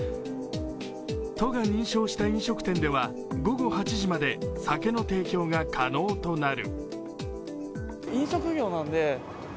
都が認証した飲食店では、午後８時まで酒の提供が可能となる。